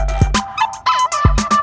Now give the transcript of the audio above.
kau mau kemana